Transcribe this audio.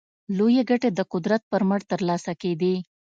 لویې ګټې د قدرت پر مټ ترلاسه کېدې.